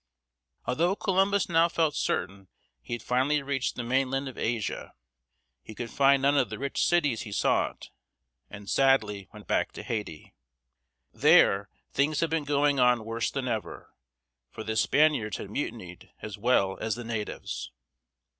Although Columbus now felt certain he had finally reached the mainland of Asia, he could find none of the rich cities he sought, and sadly went back to Haiti. There things had been going on worse than ever, for the Spaniards had mutinied, as well as the natives.